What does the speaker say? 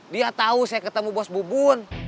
dia tahu saya ketemu bos bubun